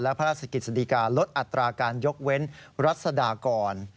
พระราชกิจสดีกาลดอัตราการยกเว้นรัศดากร